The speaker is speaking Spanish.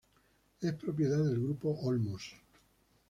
Es propiedad del Grupo Olmos.